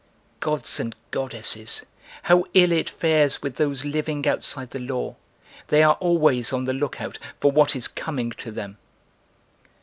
Gods and goddesses, how ill it fares with those living outside the law; they are always on the lookout for what is coming to them!"